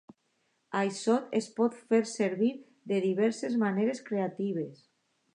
Això es pot fer servir de diverses maneres creatives.